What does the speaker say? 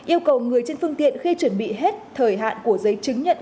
yêu cầu người trên phương tiện khi chuẩn bị hết thời hạn của giấy chứng nhận